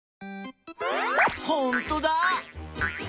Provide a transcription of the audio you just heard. ほんとだ！